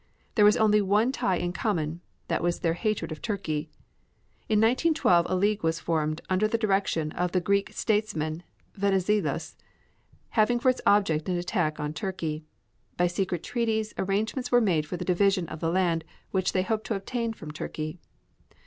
There was only one tie in common, that was their hatred of Turkey. In 1912 a league was formed, under the direction of the Greek statesman, Venizelos, having for its object an attack on Turkey. By secret treaties arrangements were made for the division of the land, which they hoped to obtain from Turkey.